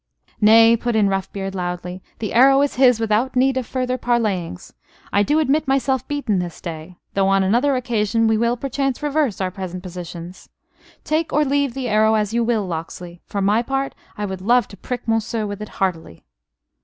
"Nay," put in Roughbeard, loudly, "the arrow is his without need of further parleyings. I do admit myself beaten this day though on another occasion we will, perchance, reverse our present positions. Take or leave the arrow as you will, Locksley. For my part I would love to prick Monceux with it heartily."